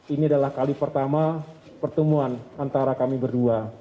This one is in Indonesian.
ini adalah kali pertama pertemuan antara kami berdua